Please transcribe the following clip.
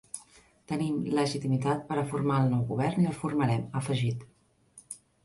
Tenim legitimitat per a formar el nou govern i el formarem, ha afegit.